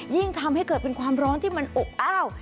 ยิ่งทำให้เกิดเป็นความร้อนที่มันอบอ้าว